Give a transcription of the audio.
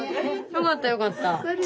よかったよかった。